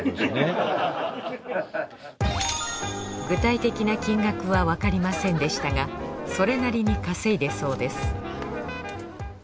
具体的な金額はわかりませんでしたがそれなりに稼いでそうです